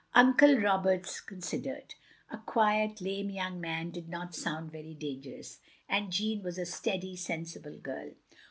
" Uncle Roberts considered. A quiet, lame young man did not sound very dangerous, and Jeanne was a steady, sensible girl.